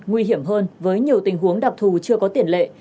nguy hiểm hơn với nhiều tình huống đặc thù chưa có tiền lệ